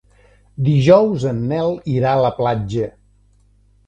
Dijous en Nel irà a la platja.